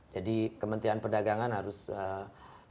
jadi kementerian perdagangan harus menganggap itu untuk eropa